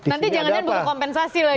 nanti jangan jangan buka kompensasi lagi